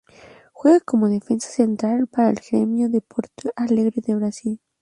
Juega como defensa central para el Grêmio de Porto Alegre de Brasil.